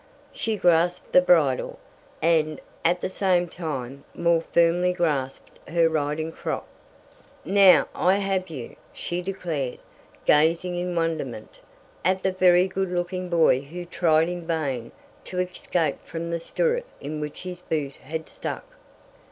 She grasped the bridle, and, at the same time, more firmly grasped her riding crop. "Now I have you," she declared, gazing in wonderment at the very good looking boy who tried in vain to escape from the stirrup in which his boot had stuck.